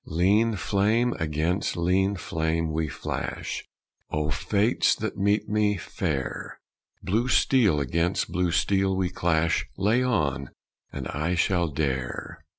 Lean flame against lean flame we flash, O, Fates that meet me fair; Blue steel against blue steel we clash Lay on, and I shall dare!